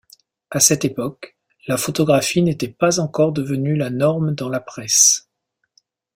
À cette époque, la photographie n'était pas encore devenue la norme dans la presse.